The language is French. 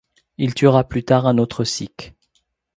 Il tuera plus tard un autre sikh.